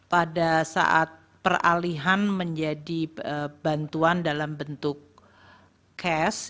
pada saat peralihan menjadi bantuan dalam bentuk cash